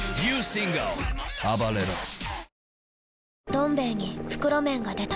「どん兵衛」に袋麺が出た